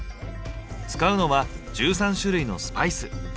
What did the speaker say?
使うのは１３種類のスパイス。